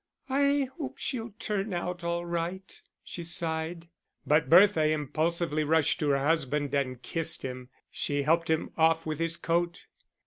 "I hope she'll turn out all right," she sighed. But Bertha impulsively rushed to her husband and kissed him. She helped him off with his coat.